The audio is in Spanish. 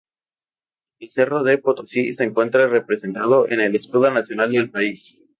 El cerro de Potosí se encuentra representado en el escudo nacional del país.